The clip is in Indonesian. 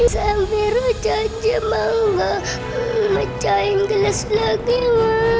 samira jangan aja mau gak mecahin gelas lagi ma